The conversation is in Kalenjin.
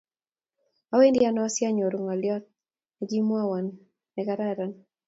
Awendi ano asianyoru ngolyot negimwawon negararan